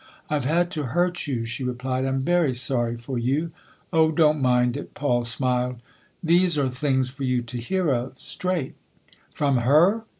" I've had to hurt you," she replied. " I'm very sorry for you." " Oh, don't mind it 1 " Paul smiled. " These are things for you to hear of straight." "From her?